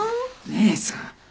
姉さん。